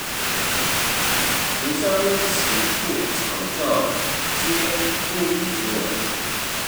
独山翁奇兔场上街布依族人。